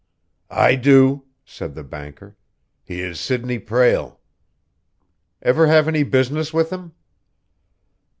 "I do," said the banker. "He is Sidney Prale." "Ever have any business with him?"